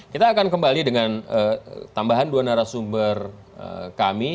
kita akan kembali dengan tambahan dua narasumber kami